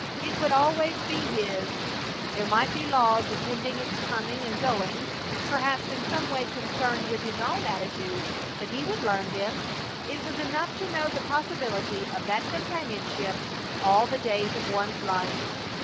It would always be his. There might be laws attending its coming and going perhaps in some way concerned with his own attitude but he would learn them. It was enough to know the possibility of that companionship all the days of one's life.